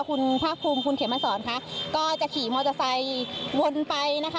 คุณภาคภูมิคุณเขมมาสอนค่ะก็จะขี่มอเตอร์ไซค์วนไปนะคะ